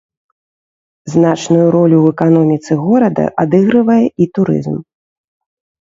Значную ролю ў эканоміцы горада адыгрывае і турызм.